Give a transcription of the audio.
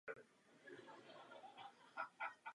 Dokument má více než sto stran.